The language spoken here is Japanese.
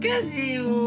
もう。